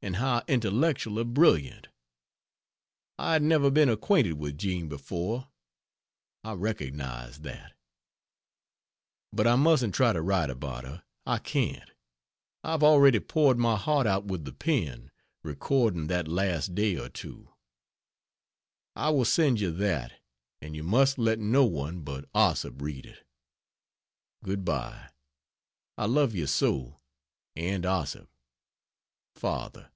and how intellectually brilliant. I had never been acquainted with Jean before. I recognized that. But I mustn't try to write about her I can't. I have already poured my heart out with the pen, recording that last day or two. I will send you that and you must let no one but Ossip read it. Good bye. I love you so! And Ossip. FATHER.